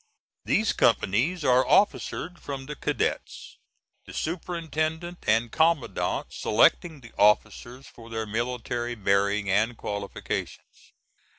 These companies are officered from the cadets, the superintendent and commandant selecting the officers for their military bearing and qualifications.